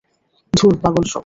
ধুর, পাগল সব।